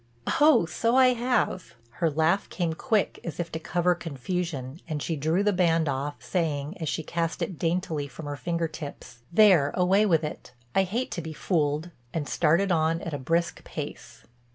"Oh, so I have." Her laugh came quick as if to cover confusion and she drew the band off, saying, as she cast it daintily from her finger tips, "There—away with it. I hate to be fooled," and started on at a brisk pace.